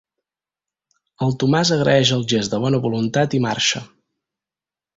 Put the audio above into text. El Tomàs agraeix el gest de bona voluntat i marxa.